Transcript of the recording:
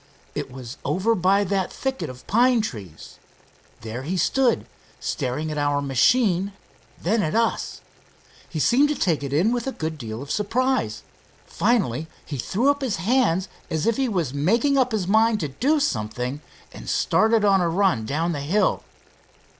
It was over by that thicket of pine trees. There he stood, staring at our machine, then at us. He seemed to take it in with a good deal of surprise. Finally he threw up his hands as if he was making up his mind to something, and started on a run down the hill."